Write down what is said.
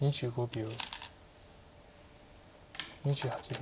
２５秒。